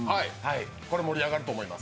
これ、盛り上がると思います。